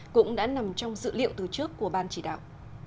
cũng đã nằm trong dự liệu từ trước của ban chỉ đạo